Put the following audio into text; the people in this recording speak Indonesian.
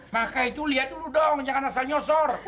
makanya tuh lihat dulu dong jangan rasa nyosor